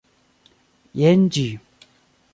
Jen ĝi